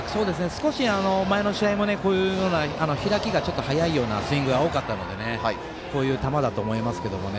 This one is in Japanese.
少し前の試合もこういうような開きが早いようなスイングが多かったのでこういう球だと思いますけどね。